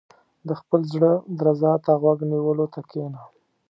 • د خپل زړۀ درزا ته غوږ نیولو ته کښېنه.